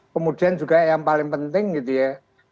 kemudian juga yang paling penting gitu ya